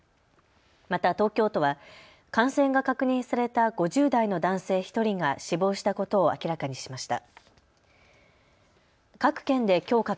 また東京都は感染が確認された５０代の男性１人が死亡したことを明らかにしました。